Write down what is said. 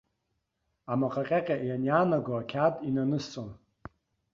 Амаҟа ҟьаҟьа ианнианаго ақьаад инанысҵон.